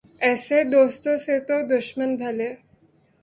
ایسے دوستو سے تو دشمن بھلے